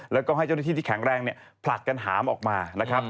แล้วก็ให้เจ้าหน้าที่ที่แข็งแรงเนี่ยผลักกันหามออกมานะครับ